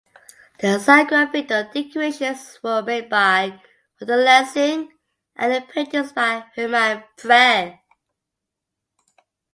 The sgraffito decorations were made by Otto Lessing and the paintings by Hermann Prell.